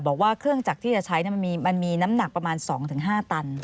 บอกว่าเครื่องจักรที่จะใช้มันมีน้ำหนักประมาณ๒๕ตัน